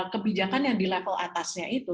kebijakan yang di level atasnya itu